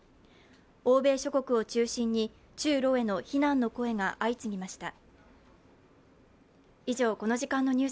欧米諸国を中心に中ロへの非難の声が相次ぎました。